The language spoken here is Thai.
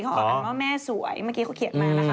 เขาออกกันว่าแม่สวยเมื่อกี้เขาเขียนมานะคะ